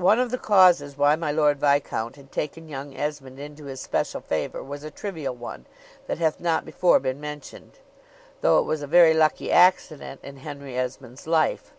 One of the causes why my Lord Viscount had taken young Esmond into his special favor was a trivial one, that hath not before been mentioned, though it was a very lucky accident in Henry Esmond's life.